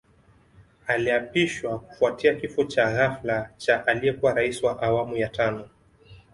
Aliapishwa kufuatia kifo cha ghafla cha aliyekuwa Rais wa Awamu ya Tano